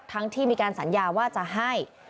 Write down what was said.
ที่มีการสัญญาว่าจะให้